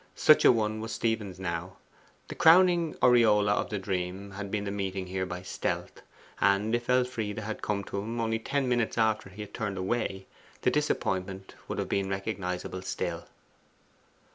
Such a one was Stephen's now: the crowning aureola of the dream had been the meeting here by stealth; and if Elfride had come to him only ten minutes after he had turned away, the disappointment would have been recognizable still.